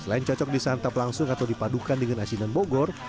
selain cocok disantap langsung atau dipadukan dengan asinan bogor